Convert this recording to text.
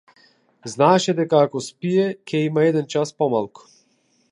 Знаеше дека ако спие, ќе има еден час помалку.